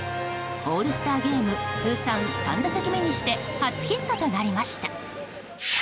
オールスターゲーム通算３打席目にして初ヒットとなりました。